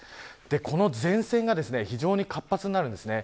この前線が非常に活発になるんですね。